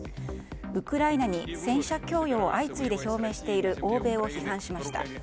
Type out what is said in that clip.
ウクライナに戦車供与を相次いで表明している欧米を批判しました。